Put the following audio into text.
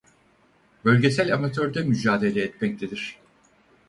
Bölgesel Amatör'de mücadele etmektedir.